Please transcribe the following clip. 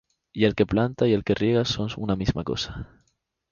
Y el que planta y el que riega son una misma cosa;